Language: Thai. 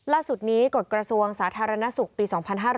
ล่าสุดนี้กฎกระทรวงสาธารณสุขปี๒๕๕๙